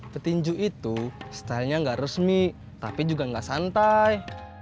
petinju itu stylenya nggak resmi tapi juga nggak santai